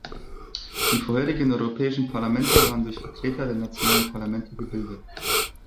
Die vorherigen Europäischen Parlamente waren durch Vertreter der nationalen Parlamente gebildet.